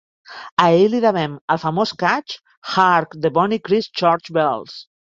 A ell li devem el famós "catch" "Hark, the bonny Christ Church bells".